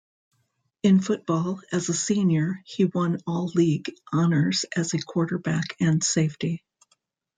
In football, as a senior, he won All-League honors as a quarterback and safety.